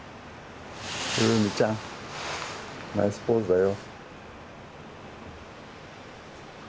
うみちゃんナイスポーズだよ。